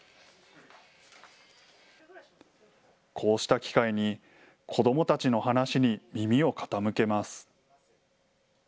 こうした機会に子どもたちの話に耳を傾けます。